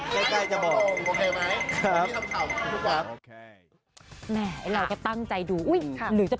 เดี๋ยวต้องโพสต์ลงไอจี